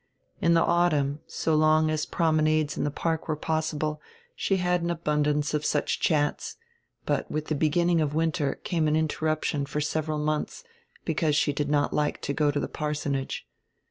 In die autumn, so long as prom enades in die park were possible, she had an abundance of such chats, but with die beginning of winter came an interruption for several months, because she did not like to go to die parsonage.